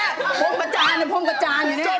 ยกหน้านายข้างไป